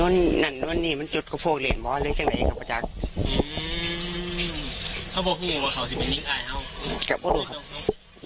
งานนั้นงานนั้นประจำเป็นไง